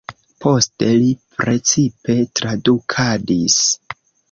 Poste li precipe tradukadis.